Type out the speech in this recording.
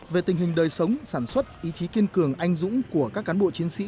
về tình hình đời sống sản xuất ý chí kiên cường anh dũng của các cán bộ chiến sĩ